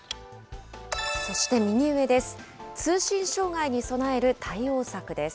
そして右上です。